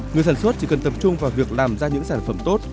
người sản xuất chỉ cần tập trung vào việc làm ra những sản phẩm tốt